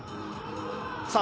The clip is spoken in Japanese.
さあ